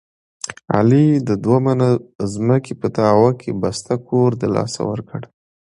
علي د دوه منه ځمکې په دعوه کې بسته کور دلاسه ورکړ.